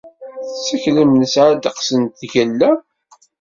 Tetteklem nesɛa ddeqs n tgella?